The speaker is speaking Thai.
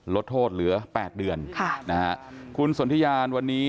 ลดโทษเหลือ๘เดือนนะฮะคุณสนทิญาณวันนี้